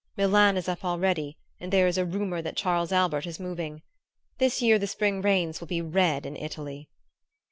Milan is up already; and there is a rumor that Charles Albert is moving. This year the spring rains will be red in Italy."